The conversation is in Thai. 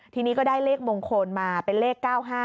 ทีนี้ก็ได้เลขมงคลมาเป็นเลข๙๕